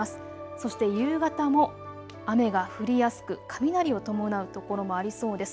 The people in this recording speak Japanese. そして夕方も雨が降りやすく雷を伴う所もありそうです。